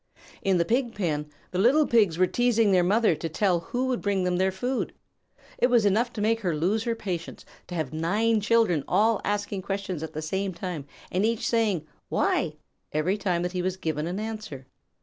In the Pig pen the little Pigs were teasing their mother to tell who would bring them their food. It was enough to make her lose her patience to have nine children all asking questions at the same time, and each saying "Why?" every time that he was given an answer.